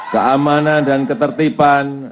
keamanan dan ketertiban